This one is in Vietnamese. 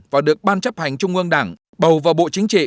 và được ban chấp hành trung ương đảng bầu vào bộ chính trị